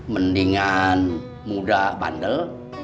mendingan muda bandel